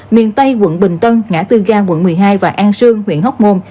miền tây quận bình tân ngã tư ga quận một mươi hai và an sương huyện hóc môn